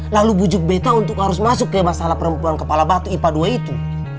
lalu bujuk beta untuk harus masuk ke masalah perempuan kepala batu ipa dua itu